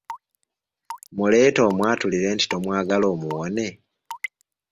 Muleeta omwatulire nti tomwagala omuwone?